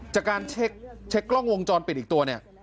จากการเช็คกล้องวงจรปิดอีกตัวเนี่ย